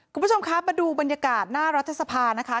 คุณผู้ชมคะมาดูบรรยากาศหน้ารัฐสภานะคะ